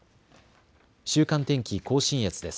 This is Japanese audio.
週間天気、甲信越です。